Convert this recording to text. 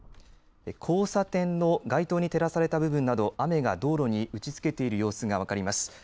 交差点の街灯に照らされた部分など雨が道路に打ちつけている様子が分かります。